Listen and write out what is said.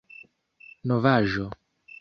novaĵo